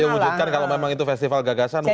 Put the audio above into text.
ayo wujudkan kalau memang itu festival gagasan wujudkan